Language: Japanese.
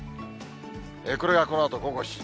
これがこのあと午後７時。